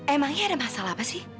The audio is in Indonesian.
emangnya ada masalah apa sih